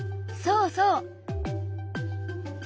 そうそう。